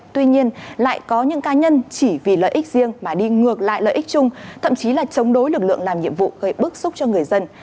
tuy nhiên lại có những cá nhân chỉ vì lợi ích riêng mà đi ngược lại lợi ích chung thậm chí là chống đối lực lượng làm nhiệm vụ gây bức xúc cho người dân